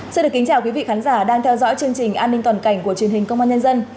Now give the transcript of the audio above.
xin được kính chào quý vị khán giả đang theo dõi chương trình an ninh toàn cảnh của truyền hình công an nhân dân